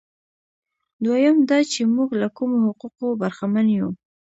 دویم دا چې موږ له کومو حقوقو برخمن یو.